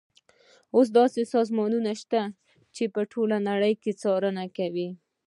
اوس داسې سازمانونه شته چې په ټوله نړۍ کې څارنه کوي.